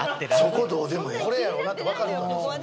これやろうなって分かるから。